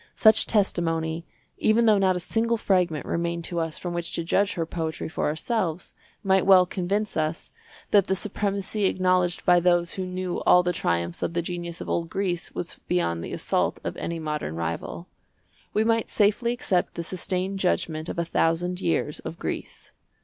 Such testimony, even though not a single fragment remained to us from which to judge her poetry for ourselves, might well convince us that the supremacy acknowledged by those who knew all the triumphs of the genius of old Greece was beyond the assault of any modern rival. We might safely accept the sustained judgment of a thousand years of Greece.